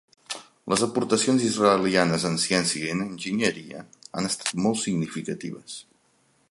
Les aportacions israelianes en ciència i en enginyeria han estat molt significatives.